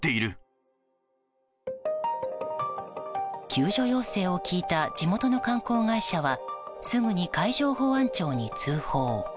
救助要請を聞いた地元の観光会社はすぐに海上保安庁に通報。